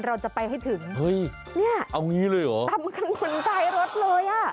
เราจะไปให้ถึงเนี่ยตำมันมันกลายรสเลยอ่ะเอาอย่างงี้เลยหรอ